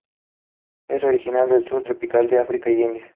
Es originario del sur tropical de África y la India.